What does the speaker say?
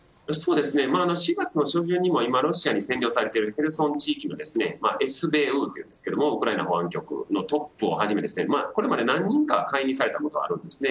４月の初旬にも今、ロシアに占領されているヘルソン地域のウクライナ保安局のトップをはじめこれまで何人か解任されたことはあるんですね。